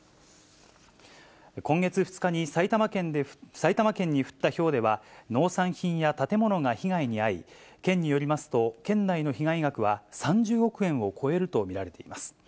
今月２日に埼玉県に降ったひょうでは、農産品や建物が被害に遭い、県によりますと、県内の被害額は３０億円を超えると見られています。